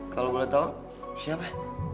kalau boleh tahu siapa